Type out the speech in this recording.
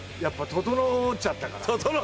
ととのっちゃったから。